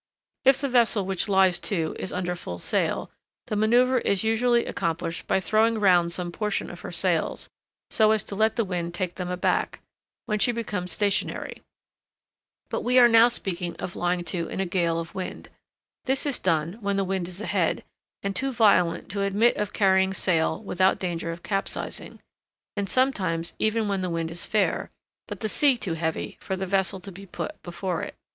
If the vessel which lies to is under full sail, the manoeuvre is usually accomplished by throwing round some portion of her sails, so as to let the wind take them aback, when she becomes stationary. But we are now speaking of lying to in a gale of wind. This is done when the wind is ahead, and too violent to admit of carrying sail without danger of capsizing; and sometimes even when the wind is fair, but the sea too heavy for the vessel to be put before it.